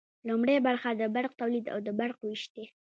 لومړی برخه د برق تولید او د برق ویش دی.